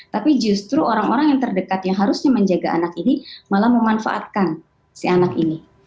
tapi justru orang orang yang terdekat yang harusnya menjaga anak ini malah memanfaatkan si anak ini